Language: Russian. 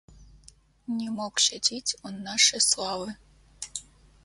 Не мог щадить он нашей славы